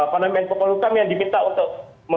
pandemik kepol polukam yang diminta untuk